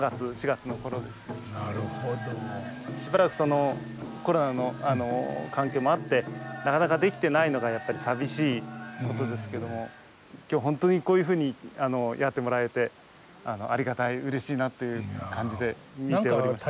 しばらくコロナの関係もあってなかなかできてないのがやっぱり寂しいことですけども今日本当にこういうふうにやってもらえてありがたいうれしいなという感じで。